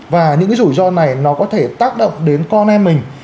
và những cái rủi ro này nó có thể tác động đến con em mình